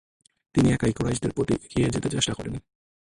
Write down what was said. তিনি একাই কুরাইশদের প্রতি এগিয়ে যেতে চেষ্টা করেন।